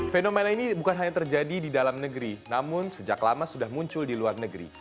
fenomena ini bukan hanya terjadi di dalam negeri namun sejak lama sudah muncul di luar negeri